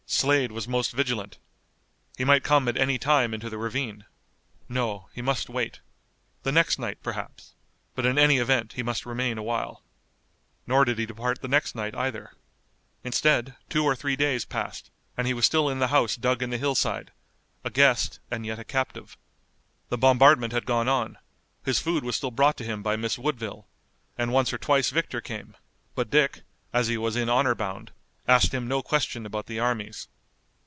Slade was most vigilant. He might come at any time into the ravine. No, he must wait. The next night, perhaps, but in any event he must remain a while. Nor did he depart the next night either. Instead, two or three days passed, and he was still in the house dug in the hillside, a guest and yet a captive. The bombardment had gone on, his food was still brought to him by Miss Woodville, and once or twice Victor came, but Dick, as he was in honor bound, asked him no question about the armies.